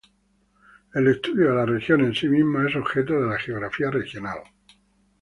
El estudio de las regiones en sí mismas es objeto de la geografía regional.